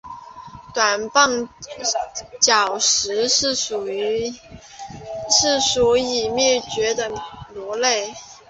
短棒角石是一属已灭绝的鹦鹉螺类。